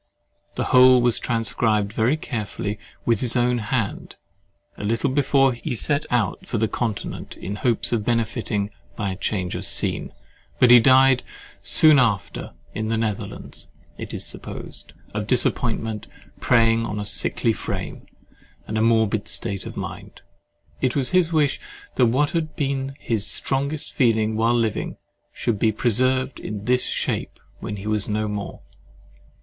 The whole was transcribed very carefully with his own hand, a little before he set out for the Continent in hopes of benefiting by a change of scene, but he died soon after in the Netherlands—it is supposed, of disappointment preying on a sickly frame and morbid state of mind. It was his wish that what had been his strongest feeling while living, should be preserved in this shape when he was no more.